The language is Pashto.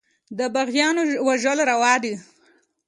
د باغيانو وژل روا دي.